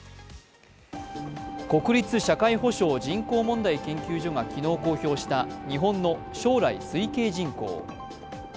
国立社会保障・人口問題研究所が昨日公表した日本の将来推計人口。